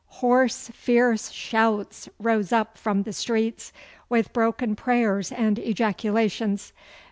Hoarse, fierce shouts rose up from the streets, with broken prayers and ejaculations.